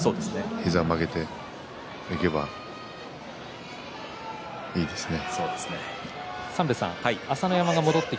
膝を曲げていけばいいですね。